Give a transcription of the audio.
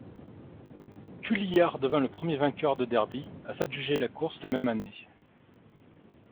Tulyar devint le premier vainqueur de Derby à s'adjuger la course la même année.